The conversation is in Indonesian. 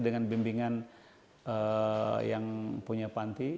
dengan bimbingan yang punya panti